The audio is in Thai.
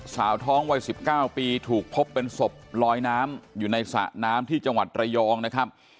สาวท้องวัย๑๙ปีถูกพบเป็นศพลอยน้ำอยู่ในสระน้ำที่จังหวัดระยองนะครับ